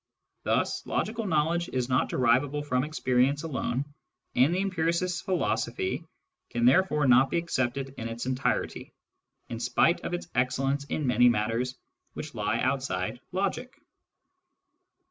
Thus\ logical knowledge is not derivable from experience alone, I and the empiricist's philosophy can therefore not be accepted in its entirety, in spite of its excellence in many matters which lie outside logic.